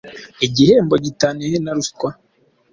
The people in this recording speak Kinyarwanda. Igihembo gitaniye he na ruswa?